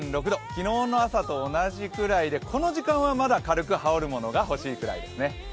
昨日の朝と同じくらいでこの時間はまだ軽く羽織るものがほしいぐらいです。